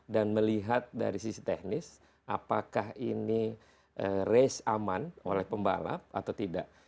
dan melihat dari sisi teknis apakah ini race aman oleh pembalap atau tidak